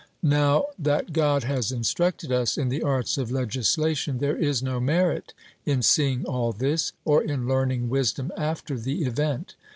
Now that God has instructed us in the arts of legislation, there is no merit in seeing all this, or in learning wisdom after the event.